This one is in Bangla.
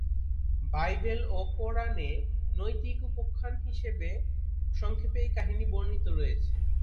বাইবেল ও কুরআন এ নৈতিক উপাখ্যান হিসেবে সংক্ষেপে এই কাহিনী বর্ণিত রয়েছে।